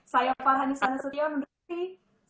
saya farhani sana surya mendukung anda